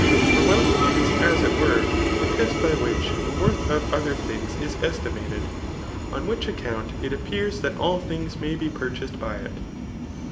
For wealth is as it were the test by which the worth of other things is estimated; on which account it appears that all things may be purchased by it.